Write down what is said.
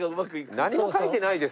何も書いてないですよ。